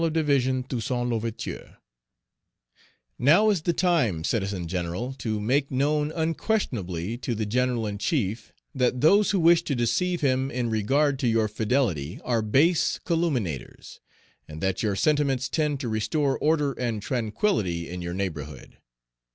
OF DIVISION, TOUSSAINT L'OUVERTURE: "Now is the time, Citizen General, to make known unquestionably to the General in chief that those who wish to deceive him in regard to your fidelity are base calumniators, and that your sentiments tend to restore order and tranquillity in your neighborhood.